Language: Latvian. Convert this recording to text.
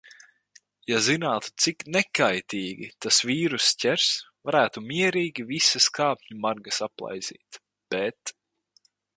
Ja zinātu, cik "nekaitīgi" tas vīruss ķers, varētu mierīgi visas kāpņu margas aplaizīt. Bet...